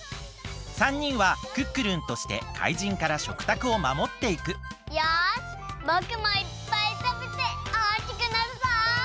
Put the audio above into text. ３にんはクックルンとして怪人から食卓をまもっていくよしぼくもいっぱいたべておおきくなるぞ！